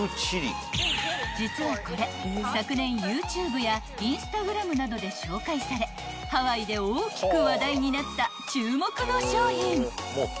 ［実はこれ昨年ＹｏｕＴｕｂｅやＩｎｓｔａｇｒａｍなどで紹介されハワイで大きく話題になった注目の商品］